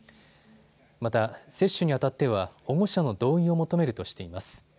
また、接種にあたっては保護者の同意を求めるとしています。